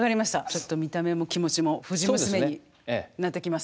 ちょっと見た目も気持ちも藤娘になってきます。